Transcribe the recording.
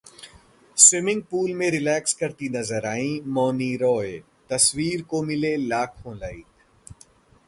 swimming pool में relax करती नजर आईं मौनी रॉय, तस्वीर को मिले लाखों लाइक